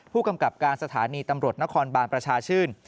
ผู้กำกับการสถานีตำรวจนครบานประชาชื่น